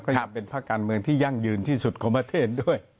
ยังเป็นภาคการเมืองที่ยั่งยืนที่สุดของประเทศด้วย